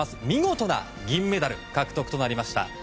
見事な銀メダル獲得となりました。